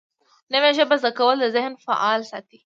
نوې ژبه زده کول ذهن فعال ساتي